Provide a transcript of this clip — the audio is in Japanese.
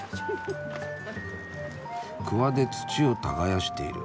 くわで土を耕している。